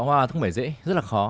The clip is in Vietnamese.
hoa không phải dễ rất là khó